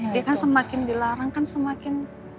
dia kan semakin dilarang kan semakin